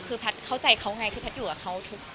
คือแพทย์เข้าใจเขาไงคือแพทย์อยู่กับเขาทุกคน